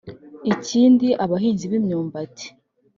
Ikindi abahinzi b’imyumbati